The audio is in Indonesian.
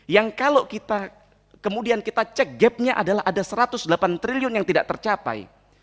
yang kalau kita kemudian kita cek gapnya adalah ada satu ratus delapan triliun yang tidak tercapai